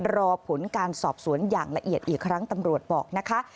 รอผลการสอบสวนอย่างละเอียดอีกครั้งตำรวจบอกนะคะ